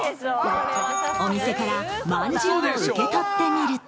お店からまんじゅうを受け取ってみると。